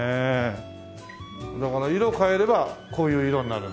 だから色を変えればこういう色になるんだよね？